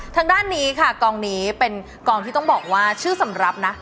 ทางด้านนี้ค่ะกองนี้เป็นกองที่ต้องบอกว่าชื่อสำหรับนะ